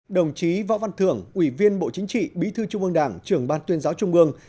đồng chí võ văn thưởng ủy viên bộ chính trị bí thư trung ương đảng trưởng ban tuyên giáo trung ương